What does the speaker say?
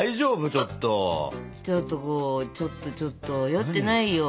ちょっとこうちょっとちょっと酔ってないよ。